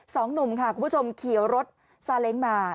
สองหนุ่มค่ะคุณผู้ชมเขียวรถซาเล้งมา